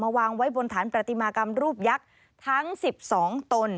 วางไว้บนฐานประติมากรรมรูปยักษ์ทั้ง๑๒ตน